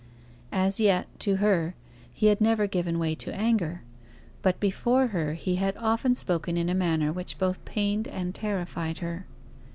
As yet, to her, he had never given way to anger; but before her he had often spoken in a manner which both pained and terrified her.